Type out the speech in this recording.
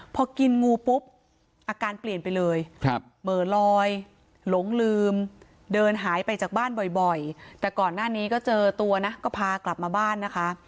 พอกินงูปุ๊บอาการเปลี่ยนไปเลยเหม่อลอยหลงลืมเดินหายไปจากบ้านบ่อยแต่ก่อนหน้านี้ก็เจอตัวนะก็พากลับมาบ้านนะคะ